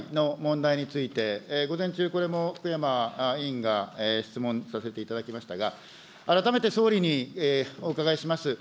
旧統一教会の問題について、午前中、これも福山委員が質問させていただきましたが、改めて総理にお伺いします。